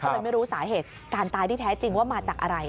ก็เลยไม่รู้สาเหตุการตายที่แท้จริงว่ามาจากอะไร